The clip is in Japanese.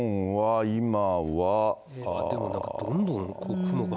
でもなんか、どんどん雲が。